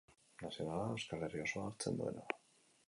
Nazionala, Euskal Herri osoa hartzen duena.